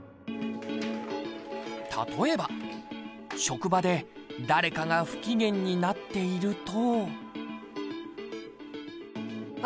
例えば、職場で誰かが不機嫌になっていると。